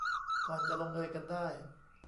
ก่อนจะลงเอยกันได้